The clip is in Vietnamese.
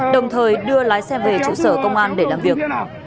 đồng thời đưa lái xe về trụ sở công an để làm việc